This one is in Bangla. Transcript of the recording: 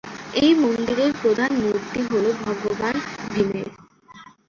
এই মন্দিরের প্রধান মূর্তি হলো ভগবান ভীমের।